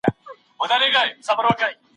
اصالحات د ټولني د پرمختګ لپاره غوره لاره ده.